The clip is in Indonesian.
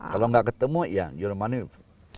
kalau nggak ketemu ya you money